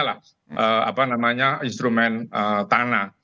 itu juga bisa diperoleh sebagai instrumen tanah